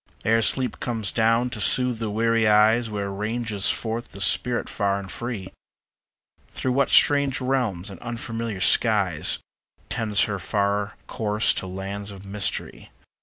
Ere sleep comes down to soothe the weary eyes, Where ranges forth the spirit far and free? Through what strange realms and unfamiliar skies. Tends her far course to lands of mystery?